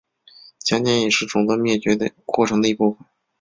强奸也是种族灭绝过程的一部分。